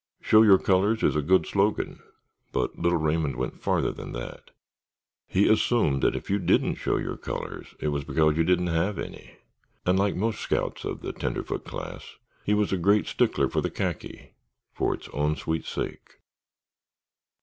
Show your colors is a good slogan, but little Raymond went farther than that. He assumed that if you didn't show your colors it was because you didn't have any; and like most scouts of the tenderfoot class, he was a great stickler for the khaki, for its own sweet sake.